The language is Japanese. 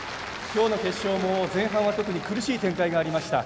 今日の決勝も前半は特に苦しい展開がありました。